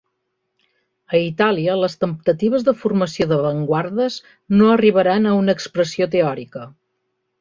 A Itàlia, les temptatives de formació d'avantguardes no arribaran a una expressió teòrica.